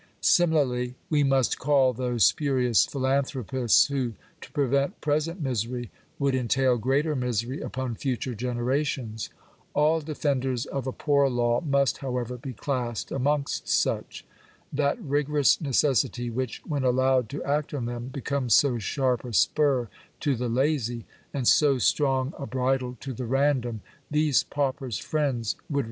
Similarly, we must call those spurious philanthropists, who, to prevent present misery, would entail greater misery upon future generations. All defenders of a poor law must, however, be classed amongst such. That rigorous necessity which, when allowed to act on them, becomes so sharp a spur to the lazy, and so strong a bridle to the random, these paupers' friends would y 2 Digitized by VjOOQIC / 324 POOR LAWS.